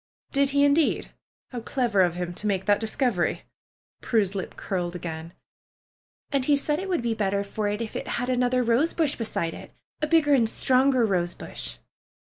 "Did he, indeed? How clever of him to make that discovery!'^ Prue's lip curled again. "And he said that it would be better for it if it had another rosebush beside it, a bigger and stronger rose bush."